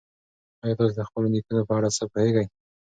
ایا تاسي د خپلو نیکونو په اړه څه پوهېږئ؟